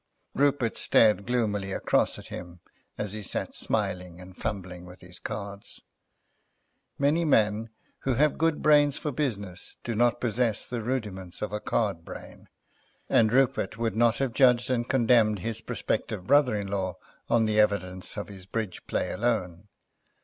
Rupert stared gloomily across at him as he sat smiling and fumbling with his cards. Many men who have good brains for business do not possess the rudiments of a card brain, and Rupert would not have judged and condemned his prospective brother in law on the evidence of his bridge play alone.